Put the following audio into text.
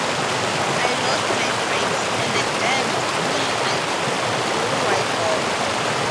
I lost my brakes, and the damned wheel blew right off.